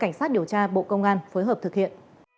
cảnh sát điều tra bộ công an phối hợp thực hiện